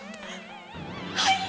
はい！